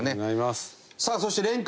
さあそして蓮君。